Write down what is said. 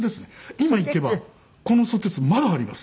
今行けばこのソテツまだあります。